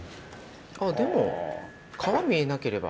あぁでも皮見えなければ。